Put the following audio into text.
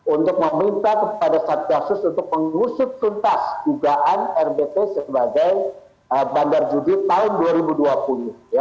untuk meminta kepada satgasus untuk mengusut tuntas dugaan rbt sebagai bandar judi tahun dua ribu dua puluh